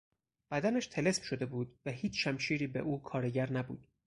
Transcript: بدنش طلسم شده بود و هیچ شمشیری به او کارگر نبود.